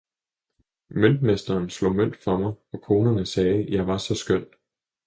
møntmesteren slog mønt for mig, og konerne sagde, jeg var så køn!